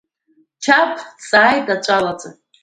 Чагә дҵааит, аҵәы алаҵа.